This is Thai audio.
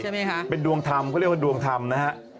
ใช่เป็นดวงธรรมก็เรียกว่าดวงธรรมนะฮะ